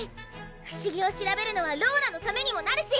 不思議を調べるのはローラのためにもなるし！